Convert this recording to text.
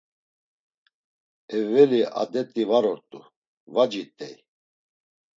Evveli adet̆i var ort̆u, va cit̆ey.